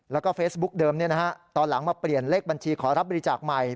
แล้วก็เฟซบุ๊กเดิมตอนหลังมาเปลี่ยนเลขบัญชีขอรับบริจาคใหม่